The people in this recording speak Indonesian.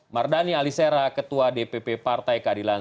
mardani alisera ketua dpp partai keadilan